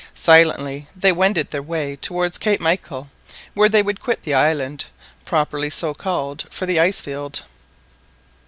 Silently they wended their way towards Cape Michael, where they would quit the island, properly so called, for the ice field.